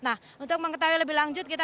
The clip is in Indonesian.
nah untuk mengetahui lebih lanjut kita